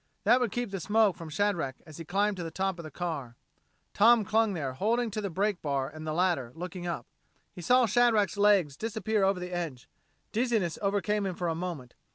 That would keep the smoke from Shadrack as he climbed to the top of the car. Tom clung there, holding to the brake bar and the ladder, looking up. He saw Shadrack's legs disappear over the edge. Dizziness overcame him for a moment.